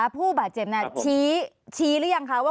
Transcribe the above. ผู้บาดเจ็บน่ะโทษละครับ